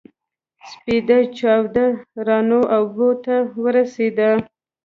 سپېده چاود روانو اوبو ته ورسېدل.